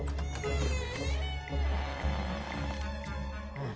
うん。